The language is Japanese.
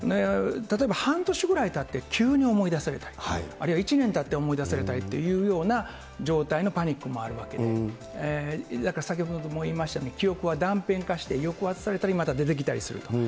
例えば半年ぐらいたって、急に思い出されたりとか、あるいは１年たって思い出されたりというような状態のパニックもあるわけで、だから、先ほども言いましたように、記憶は断片化して、抑圧されたり、また出てきたりすると。